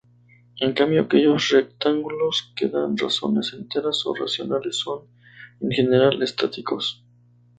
En cambio, aquellos rectángulos que dan razones enteras o racionales son, en general, estáticos.